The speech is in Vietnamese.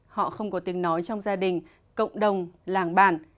họ không có tiếng nói trong gia đình cộng đồng làng bản